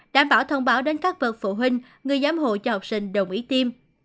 đảm bảo thông báo đến các bậc phụ huynh người giám hộ cho học sinh đồng ý tiêm